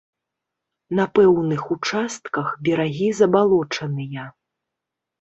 На пэўных участках берагі забалочаныя.